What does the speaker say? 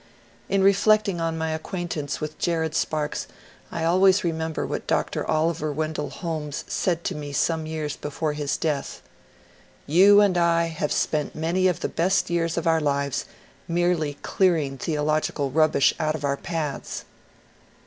In reflecting on my acquaintance with Jared Sparks I always remember what Dr. Oliver Wendell Holmes said to me some years before his death, " You and I have spent many of the best years of our lives merely clearing theological rubbish out of our paths.